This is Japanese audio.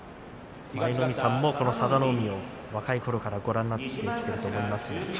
舞の海さんも、この佐田の海を若いころからご覧になっていますね。